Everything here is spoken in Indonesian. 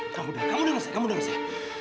kamu dengar saya